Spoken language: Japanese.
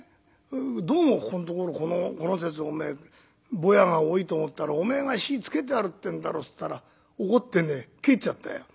『どうもここんところこの節おめえぼやが多いと思ったらおめえが火つけて歩ってんだろ』っつったら怒ってね帰っちゃったよ」。